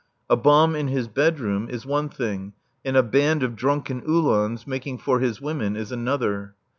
A bomb in his bedroom is one thing and a band of drunken Uhlans making for his women is another.